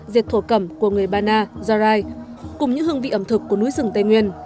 dệt thổ cẩm của người ba na gia rai cùng những hương vị ẩm thực của núi rừng tây nguyên